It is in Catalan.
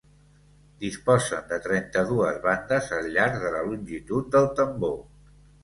Disposen de trenta-dues bandes al llarg de la longitud del tambor.